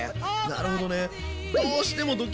なるほどね。